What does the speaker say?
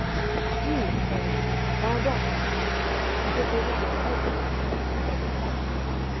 "But you, citoyenne, are a daughter of France, and should be ready to help her in a moment of deadly peril."